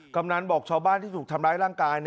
กำนันบอกชาวบ้านที่ถูกทำร้ายร่างกาย